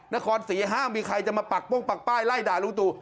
นครศรีห้ามมีใครจะมาปักป้องปักป้ายไล่ด่าลุงตู่